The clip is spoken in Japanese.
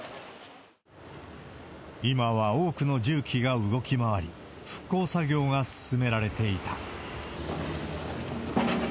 今は多くの重機が動き回り、復興作業が進められていた。